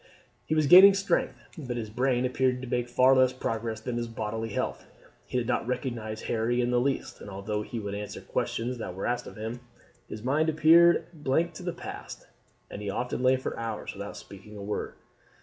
He was gaining strength, but his brain appeared to make far less progress than his bodily health. He did not recognize Harry in the least, and although he would answer questions that were asked him, his mind appeared a blank as to the past, and he often lay for hours without speaking a word.